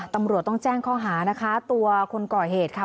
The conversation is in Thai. ตำรวจต้องแจ้งข้อหานะคะตัวคนก่อเหตุค่ะ